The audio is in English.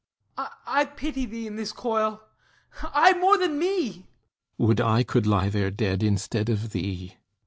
HIPPOLYTUS I pity thee in this coil; aye, more than me. THESEUS Would I could lie there dead instead of thee!